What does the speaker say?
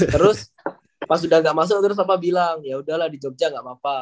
terus pas udah gak masuk terus papa bilang yaudahlah di jogja nggak apa apa